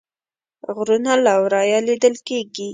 غرونه له ورایه لیدل کیږي